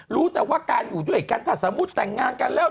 รู้แต่ว่าการอยู่ด้วยกันถ้าสมมุติแต่งงานกันแล้ว